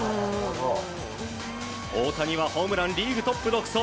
大谷はホームランリーグトップ独走。